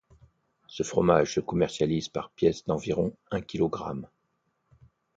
Ce fromage se commercialise par pièces d'environ un kilogramme.